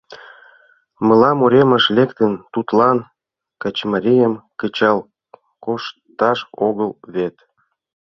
Мылам уремыш лектын, тудлан качымарийым кычал кошташ огыл вет.